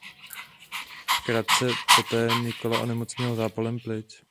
Krátce poté Nikola onemocněl zápalem plic.